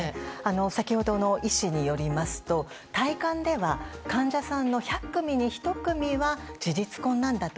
先ほどの医師によりますと体感では患者さんの１００組に１組は事実婚なんだと。